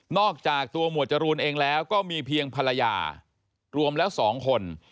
อกจากตัวหมวดจรูนเองแล้วก็มีเพียงภรรยารวมแล้ว๒คน